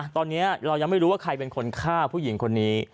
ตอนนี้เรายังไม่รู้ว่าใครเป็นคนฆ่าผู้หญิงคนนี้